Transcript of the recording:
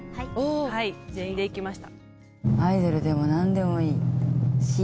はい全員で行きました。